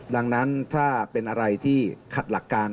ดังนั้นถ้าเป็นอะไรที่ขัดหลักการ